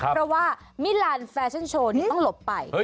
เพราะว่ามิลานแฟชั่นโชว์ต้องหลบไป